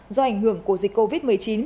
do ảnh hưởng của dịch covid một mươi chín